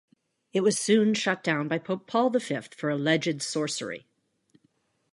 It was soon shut down by Pope Paul the Fifth for alleged sorcery.